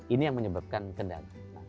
ini yang menyebabkan kendaraan